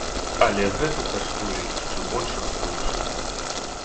Але гэта каштуе яшчэ большых грошай.